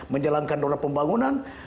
menjalankan erulah pembangunan